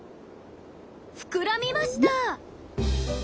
膨らみました！